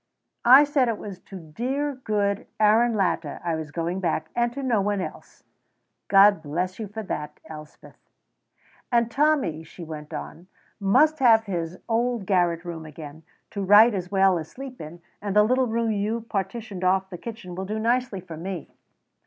"I said it was to dear, good Aaron Latta I was going back, and to no one else." "God bless you for that, Elspeth." "And Tommy," she went on, "must have his old garret room again, to write as well as sleep in, and the little room you partitioned off the kitchen will do nicely for me."